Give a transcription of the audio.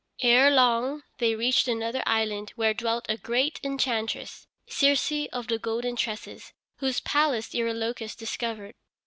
Ere long they reached another island, where dwelt a great enchantress, Circe of the golden tresses, whose palace Eurylochus discovered.